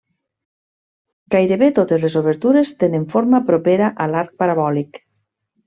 Gairebé totes les obertures tenen forma propera a l'arc parabòlic.